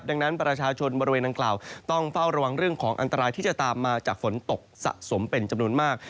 ดังนั้นประชาชนบริเวณดังกล่าวต้องเฝ้าระวังเรื่องของอันตรายที่จะตามมาจากฝนตกสะสมเป็นจำนวนมาก